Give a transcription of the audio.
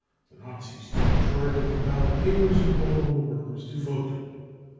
The Nazis took charge of the ballot papers and called on the workers to vote.